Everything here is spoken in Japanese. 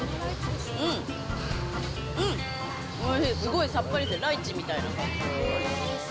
うん、おいしい、すごいさっぱりしてる、ライチみたいな感じで。